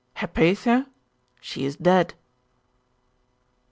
'Hypatia! She is dead!